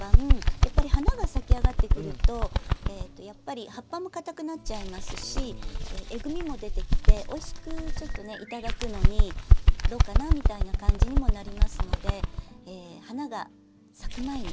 やっぱり花が咲きあがってくるとやっぱり葉っぱも硬くなっちゃいますしえぐみも出てきておいしくいただくのにどうかなみたいな感じにもなりますので花が咲く前に。